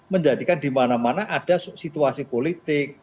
menjadikan di mana mana ada situasi politik